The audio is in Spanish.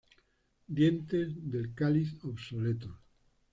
Dientes del cáliz obsoletos.